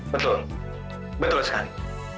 betul betul sekali